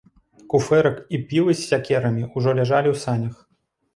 Куфэрак і пілы з сякерамі ўжо ляжалі ў санях.